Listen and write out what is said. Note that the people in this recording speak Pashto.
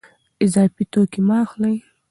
اضافي توکي مه اخلئ.